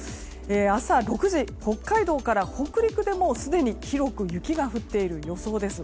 朝６時、北海道から北陸ですでに広く雪が降っている予想です。